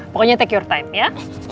pokoknya take your time ya